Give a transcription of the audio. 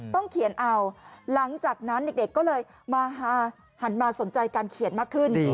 ต้องเขียนเอาหลังจากนั้นเด็กก็เลยมาหันมาสนใจการเขียนมากขึ้น